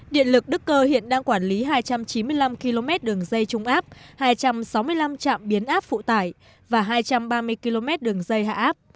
điện lực đức cơ hiện đang quản lý hai trăm chín mươi năm km đường dây trung áp hai trăm sáu mươi năm trạm biến áp phụ tải và hai trăm ba mươi km đường dây hạ áp